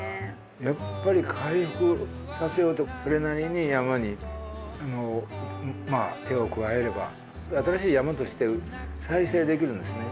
やっぱり回復させようとそれなりに山に手を加えれば新しい山として再生できるんですね。